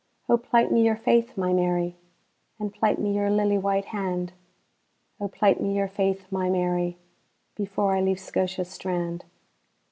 O plight me your faith, my Mary, And plight me your lily white hand;O plight me your faith, my Mary, Before I leave Scotia's strand.